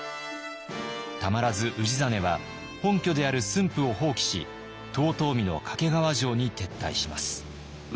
たまらず氏真は本拠である駿府を放棄し遠江の懸川城に撤退します。